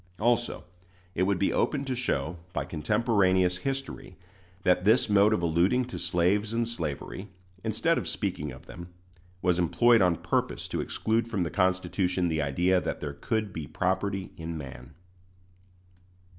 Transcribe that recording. Also it would be open to show, by contemporaneous history, that this mode of alluding to slaves and slavery, instead of speaking of them, was employed on purpose to exclude from the Constitution the idea that there could be property in man.